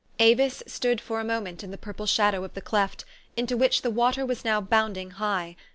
Avis stood for a moment in the purple shadow of the cleft, into which the water was now bounding high.